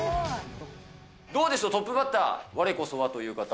どうでしょう、トップバッター、われこそはという方。